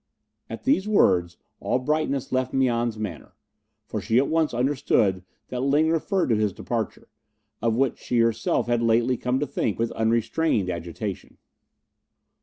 At these words all brightness left Mian's manner, for she at once understood that Ling referred to his departure, of which she herself had lately come to think with unrestrained agitation.